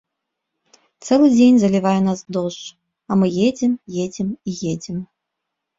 Цэлы дзень залівае нас дождж, а мы едзем, едзем і едзем.